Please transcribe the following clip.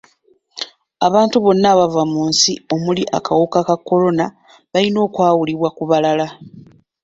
Abantu bonna abava mu nsi omuli akawuka ka kolona balina okwawulibwa ku balala.